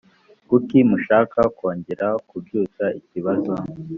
kuki mushaka kongera kubyutsa ikibazo